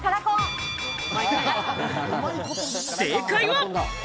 正解は。